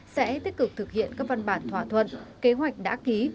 sẽ tích cực thực hiện các văn bản thỏa thuận kế hoạch đã ký